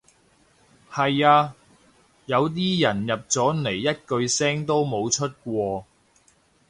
係呀，有啲人入咗嚟一句聲都冇出過